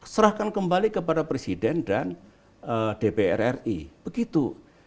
serahkan kembali kepada presiden dan dprs begitu